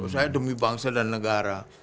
saya demi bangsa dan negara